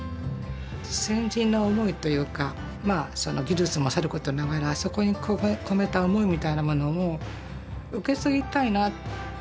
先人の思いというかまあその技術もさることながらそこに込めた思いみたいなものも受け継ぎたいな。